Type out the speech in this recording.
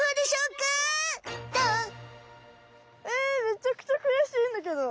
めちゃくちゃくやしいんだけど。